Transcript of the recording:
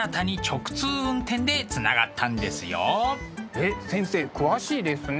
えっ先生詳しいですね。